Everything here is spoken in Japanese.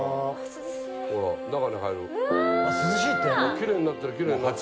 きれいになってるきれいになってる。